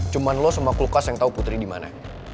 cuma lo sama kulkas yang tahu putri di mana